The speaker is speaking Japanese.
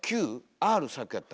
Ｒ先やった？